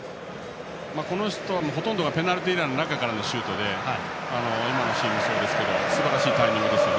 この人、ほとんどペナルティーエリアの中からのシュートで今のシーンもそうですけどすばらしいタイミングですよね。